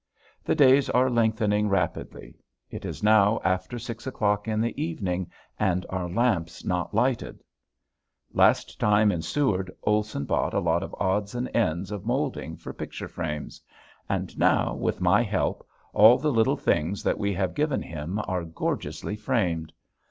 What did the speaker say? The days are lengthening rapidly. It is now after six o'clock in the evening and our lamp's not lighted! Last time in Seward Olson bought a lot of odds and ends of molding for picture frames. And now, with my help, all the little things that we have given him are gorgeously framed.